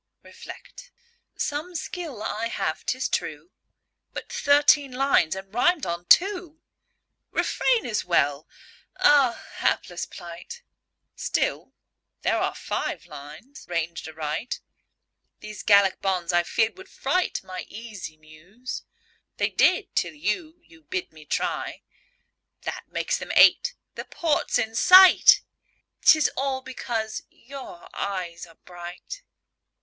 Reflect. Some skill I have, 'tis true; But thirteen lines! and rimed on two! "Refrain" as well. Ah, Hapless plight! Still, there are five lines ranged aright. These Gallic bonds, I feared, would fright My easy Muse. They did, till you You bid me try! That makes them eight. The port's in sight 'Tis all because your eyes are bright!